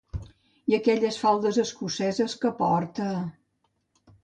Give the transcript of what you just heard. I aquelles faldes escoceses que porta...